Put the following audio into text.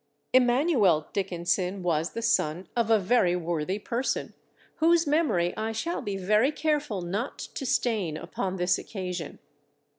Emanuel Dickenson was the son of a very worthy person, whose memory I shall be very careful not to stain upon this occasion.